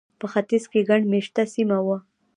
په ختیځ کې ګڼ مېشته سیمه وه.